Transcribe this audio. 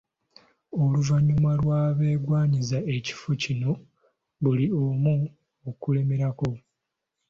Oluvannyuma lw’abeegwanyiza ekifo kino buli omu okulemerako.